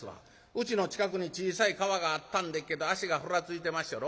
うちの近くに小さい川があったんでっけど足がふらついてまっしゃろ。